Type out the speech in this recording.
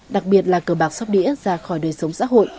đặc biệt là cờ bạc sóc đĩa ra khỏi đời sống xã hội